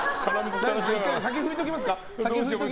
先に拭いておきますか。